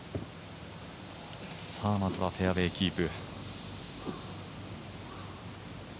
まずはフェアウエーキープ。